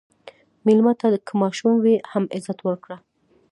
مېلمه ته که ماشوم وي، هم عزت ورکړه.